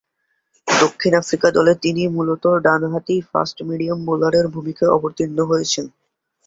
দক্ষিণ আফ্রিকা দলে তিনি মূলত ডানহাতি ফাস্ট-মিডিয়াম বোলারের ভূমিকায় অবতীর্ণ হয়েছেন।